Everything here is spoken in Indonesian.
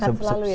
masih selalu ya